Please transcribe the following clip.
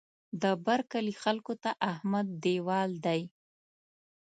د بر کلي خلکو ته احمد دېوال دی.